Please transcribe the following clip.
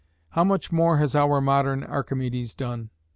How much more has our modern Archimedes done?